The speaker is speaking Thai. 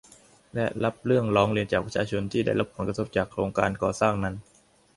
และรับเรื่องร้องเรียนจากประชาชนที่ได้รับผลกระทบจากโครงการก่อสร้างนั้น